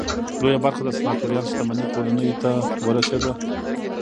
لویه برخه د سناتوریال شتمنۍ کورنۍ ته ورسېده.